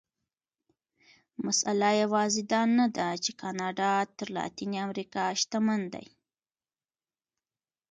مسئله یوازې دا نه ده چې کاناډا تر لاتینې امریکا شتمن دي.